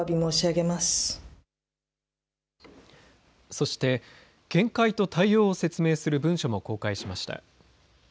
そして見解と対応を説明する文書も公開しました。